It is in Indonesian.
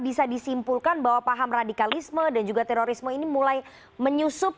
bisa disimpulkan bahwa paham radikalisme dan juga terorisme ini mulai menyusup